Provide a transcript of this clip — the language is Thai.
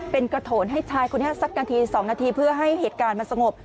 เป็นกระโถนให้ชายคนนี้สักนาที๒นาทีเพื่อให้เหตุการณ์มันสงบ